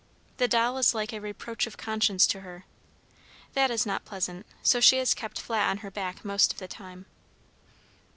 The doll is like a reproach of conscience to her. That is not pleasant, so she is kept flat on her back most of the time.